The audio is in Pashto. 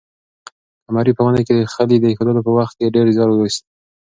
قمرۍ په ونې کې د خلي د اېښودلو په وخت کې ډېر زیار وایست.